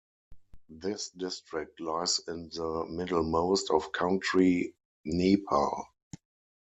This district lies in the middlemost of country Nepal.